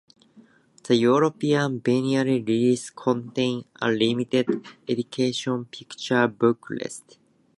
The European vinyl release contained a limited edition picture booklet.